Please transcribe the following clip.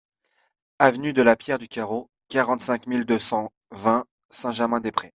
Avenue de la Pierre du Carreau, quarante-cinq mille deux cent vingt Saint-Germain-des-Prés